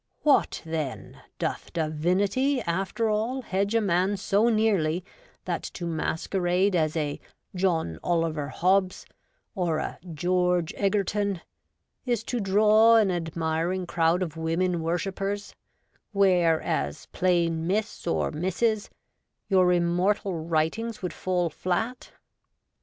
What, then ! doth divinity after all hedge a man so nearly that to masquerade as a 'John Oliver Hobbes,' or a ' George Egerton,' is to draw an admiring crowd of women worshippers where, as plain Miss or Mrs., your immortal writings would fall flat